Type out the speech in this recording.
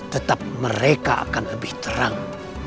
tetap mereka akan lebih terang